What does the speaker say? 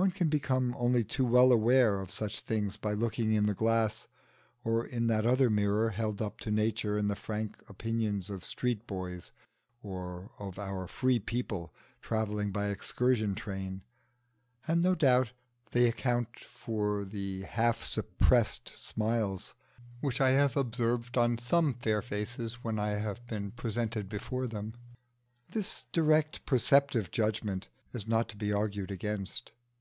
One can become only too well aware of such things by looking in the glass, or in that other mirror held up to nature in the frank opinions of street boys, or of our Free People travelling by excursion train; and no doubt they account for the half suppressed smile which I have observed on some fair faces when I have first been presented before them. This direct perceptive judgment is not to be argued against.